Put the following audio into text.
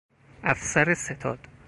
افسر ستاد